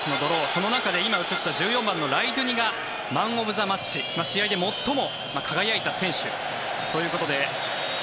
その中で今、映った１４番のライドゥニがマン・オブ・ザ・マッチ、試合で最も輝いた選手ということで。